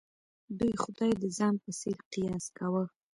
دوی خدای د ځان په څېر قیاس کاوه.